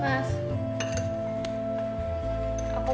yang sangat dekat